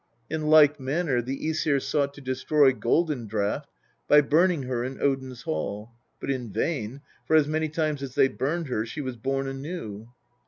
In like manner the JEsir sought to destroy Golden draught by burning her in Odin's hall ; but in vain, for as many times as they burned her she was born anew (p.